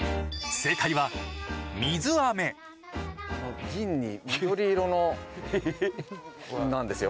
あの銀に緑色のなんですよ。